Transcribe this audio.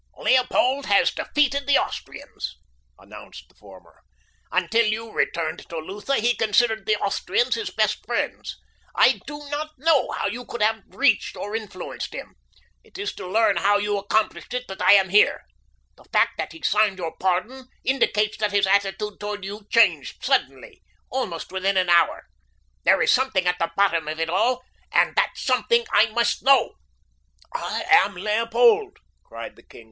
"Leopold has defeated the Austrians," announced the former. "Until you returned to Lutha he considered the Austrians his best friends. I do not know how you could have reached or influenced him. It is to learn how you accomplished it that I am here. The fact that he signed your pardon indicates that his attitude toward you changed suddenly—almost within an hour. There is something at the bottom of it all, and that something I must know." "I am Leopold!" cried the king.